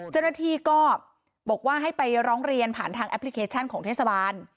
เจ้าหน้าที่ก็บอกว่าให้ไปร้องเรียนผ่านทางแอปพลิเคชันของเทศบาล